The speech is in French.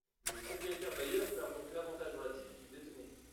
Le propriétaire bailleur perd donc l’avantage relatif qu’il détenait.